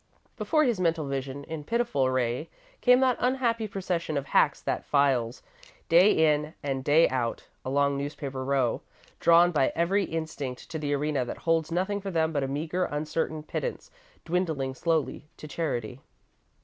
Before his mental vision, in pitiful array, came that unhappy procession of hacks that files, day in and day out, along Newspaper Row, drawn by every instinct to the arena that holds nothing for them but a meagre, uncertain pittance, dwindling slowly to charity.